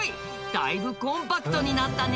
だいぶコンパクトになったね。